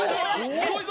すごいぞ！